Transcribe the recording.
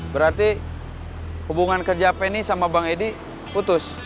berarti hubungan kerja penny sama bang edi putus